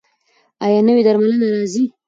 ایا نوې درملنه راځي؟